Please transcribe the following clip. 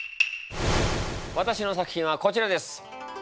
私の作品はこちらです。